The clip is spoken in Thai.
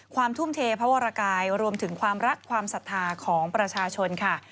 ทุ่มเทพระวรกายรวมถึงความรักความศรัทธาของประชาชนค่ะ